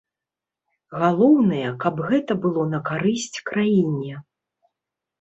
Галоўнае, каб гэта было на карысць краіне.